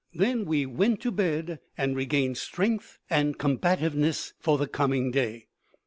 Then we went to bed and regained strength and combativeness for the coming day.